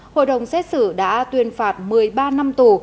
hội đồng xét xử đã tuyên phạt một mươi ba năm tù